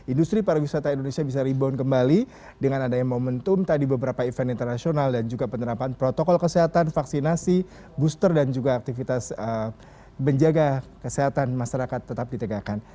industri pariwisata indonesia bisa rebound kembali dengan adanya momentum tadi beberapa event internasional dan juga penerapan protokol kesehatan vaksinasi booster dan juga aktivitas penjaga kesehatan masyarakat tetap ditegakkan